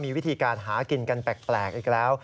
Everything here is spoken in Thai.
มีวิธีการหากินกันแปลกอีกแล้ว